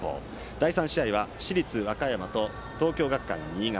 第３試合は市立和歌山と東京学館新潟。